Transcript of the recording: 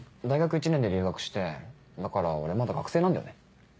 １年で留学してだから俺まだ学生なんだよね。